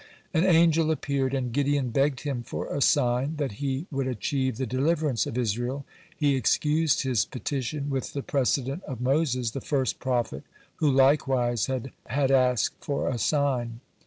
(96) An angel appeared, and Gideon begged him for a sign, that he would achieve the deliverance of Israel. He excused his petition with the precedent of Moses, the first prophet, who likewise has asked for a sign.